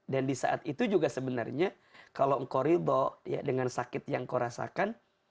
dan di saat itu juga sebenarnya kalau engkau ridho dengan sakit yang engkau rasakan